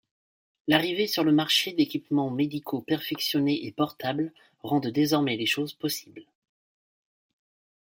L’arrivée sur le marché d’équipements médicaux perfectionnés et portables rendent désormais les choses possibles.